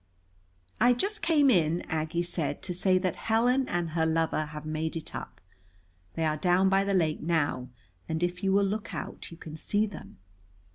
"I just came in," Aggie said, "to say that Helen and her lover have made it up. They are down by the lake now, and if you will look out you can see them."